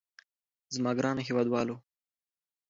زما ګرانو هېوادوالو.